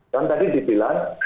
kan tadi dibilang